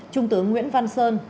trung tướng nguyễn văn sơn